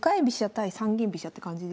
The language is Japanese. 対三間飛車って感じですね。